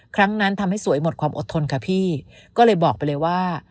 ครั้งนั้นทำให้สวยหมดความอดทนค่ะพี่ก็เลยบอกไปเลยว่า